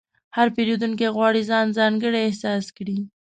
هر پیرودونکی غواړي ځان ځانګړی احساس کړي.